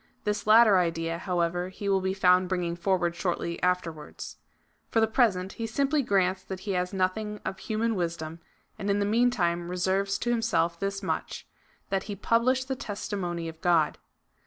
This latter idea, however, he will be found bringing forward shortly afterwards. For the present he simply grants that he has nothing of human wisdom, and in the meantime reserves to himself this much — that he published the testi mony of God.